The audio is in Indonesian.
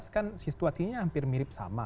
kan situasinya hampir mirip sama